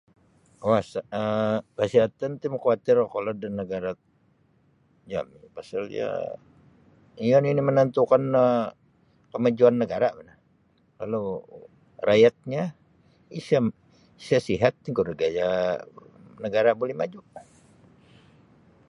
[unintelligible] Kasiatan ti makawatir kokolod da nagara jami pasal iyo iyo nini menentukan no kamajuan negara bo no kalau rakyatnyo isa sihat tingkuro gayanyo nagara buli maju.